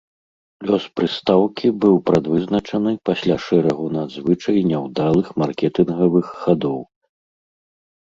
Лёс прыстаўкі быў прадвызначаны пасля шэрагу надзвычай няўдалых маркетынгавых хадоў.